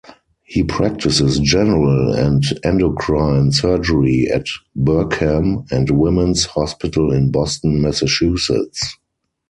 He practices general and endocrine surgery at Brigham and Women's Hospital in Boston, Massachusetts.